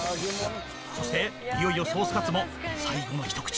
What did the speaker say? そしていよいよソースカツも最後のひと口。